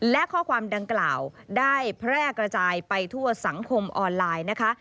และข้อความดังกล่าวได้แพร่กระจายไปทั่วสังคมออนไลน์นะคะ